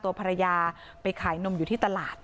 ตัวภรรยาไปขายนมอยู่ที่ตลาด